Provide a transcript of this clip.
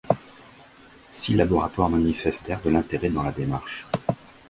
Six laboratoires manifestèrent de l'intérêt dans la démarche.